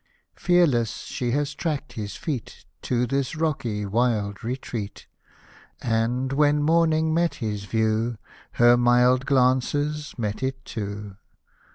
Fearless she had tracked his feet To this rocky, wild retreat ; And when morning met his view, Her mild glances met it too.